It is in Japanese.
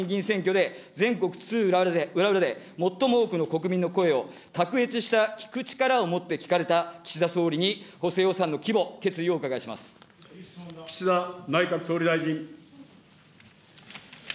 ７月の参議院議員選挙で、全国津々浦々で最も多くの国民の声を、卓越した聞く力でもって聞かれた岸田総理に、補正予算の規模、決岸田内閣総理大臣。